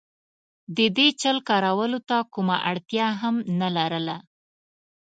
د دې چل کارولو ته کومه اړتیا هم نه لرله.